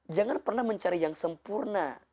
jangan pernah mencari yang sempurna